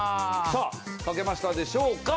さあ書けましたでしょうか？